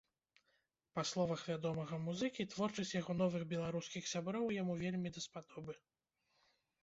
Па словах вядомага музыкі, творчасць яго новых беларускіх сяброў яму вельмі даспадобы.